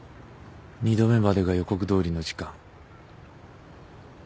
２度目までが予告どおりの時間。